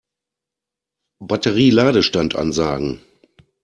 Batterie-Ladestand ansagen.